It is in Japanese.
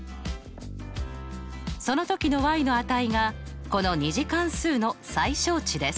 そのときのの値がこの２次関数の最小値です。